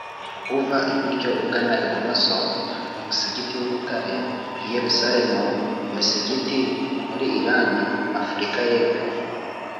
uva iburyo ugana ibumoso: umusigiti w’urutare, i yerusalemu; imisigiti muri irani, afurika y’epfo